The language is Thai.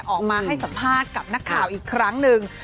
ออกมาให้สัมภาษณ์กับนักข่าวอีกครั้งหนึ่ง